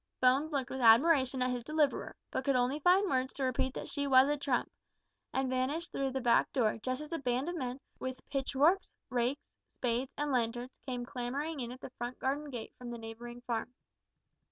Bones looked with admiration at his deliverer, but could only find words to repeat that she was a trump, and vanished through the back door, just as a band of men, with pitchforks, rakes, spades, and lanterns, came clamouring in at the front garden gate from the neighbouring farm.